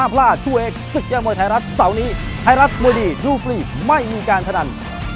โปรดติดตามตอนต่อไป